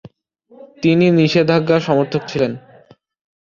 তিনি নিষেধাজ্ঞার সমর্থক ছিলেন।